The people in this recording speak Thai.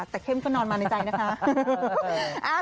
แต่เข้มก็นอนมาในใจนะคะ